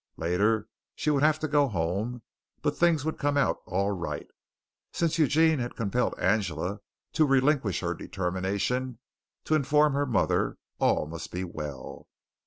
Later she would have to go home, but things would come out all right. Since Eugene had compelled Angela to relinquish her determination to inform her mother, all must be well.